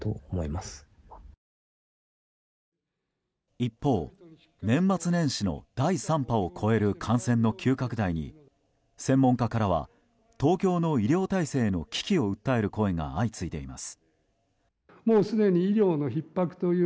一方、年末年始の第３波を超える感染の急拡大に専門家からは東京の医療体制の危機を訴える声が相次いでいます。